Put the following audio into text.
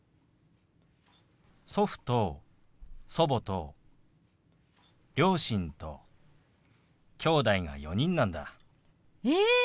祖父と祖母と両親ときょうだいが４人なんだ。え！